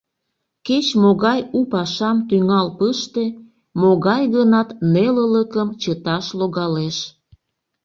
Кеч-могай у пашам тӱҥал пыште — могай-гынат нелылыкым чыташ логалеш.